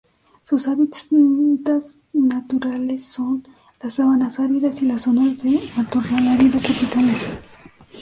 Sus hábitats naturales son: las sabanas áridas y las zonas de matorral árido tropicales.